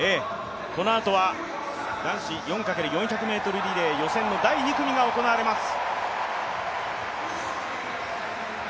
このあとは男子４×４００ｍリレーの第２組が行われます。